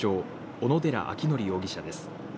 小野寺章仁容疑者です。